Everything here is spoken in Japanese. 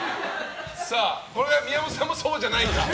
これは、宮本さんもそうじゃないかと。